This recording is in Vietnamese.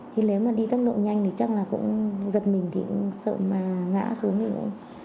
thì nếu mà đi tốc độ nhanh thì chắc là cũng giật mình thì cũng sợ mà ngã xuống